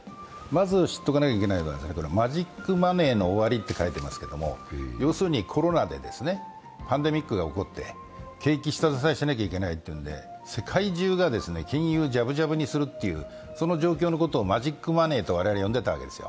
まず知っておかないといけないのはマジック・マネーの終わりと書いていますけれども要するにコロナでパンデミックが起こって景気を下支えしなきゃいけないというので、世界中が金融じゃぶじゃぶにするという、その状況のことをマジック・マネーと我々、呼んでいたわけです。